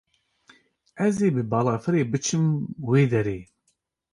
Ez ê bi balafirê biçim wê derê.